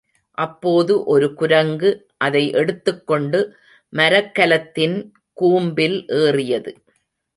அப்போது ஒரு குரங்கு அதை எடுத்துக் கொண்டு மரக் கலத்தின் கூம்பில் ஏறியது.